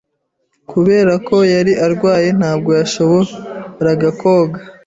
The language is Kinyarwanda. Kubera ko . yari arwaye, ntabwo yashoboraga koga.